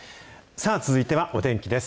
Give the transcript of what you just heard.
さあ、続いてはお天気です。